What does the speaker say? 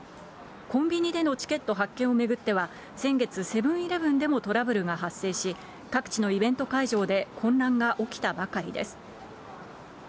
コンビニでのチケット発券を巡っては、先月、セブンーイレブンでもトラブルが発生し、各地のイベント会場で混乱が起きたばかりです。